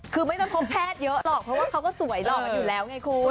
คือไม่ได้พบแพทย์เยอะหรอกเพราะว่าเขาก็สวยหล่อกันอยู่แล้วไงคุณ